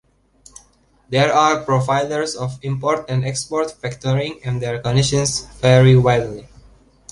There are providers of import and export factoring, and their conditions vary widely.